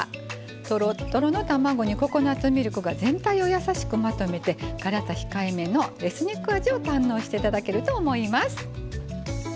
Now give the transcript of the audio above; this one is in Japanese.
とろとろの卵にココナツミルクが全体をやさしくまとめて辛さ控えめのエスニック味を堪能していただけると思います。